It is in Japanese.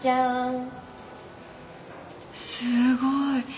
すごい。